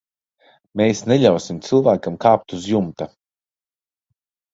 Mēs neļausim cilvēkam kāpt uz jumta.